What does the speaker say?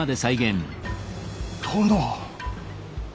殿。